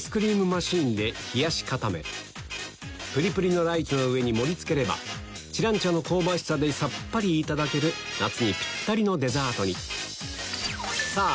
マシンで冷やし固めぷりぷりのライチの上に盛り付ければ知覧茶の香ばしさでさっぱりいただける夏にピッタリのデザートにさぁ